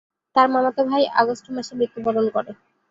তার মামাতো ভাই আগস্ট মাসে মৃত্যুবরণ করে।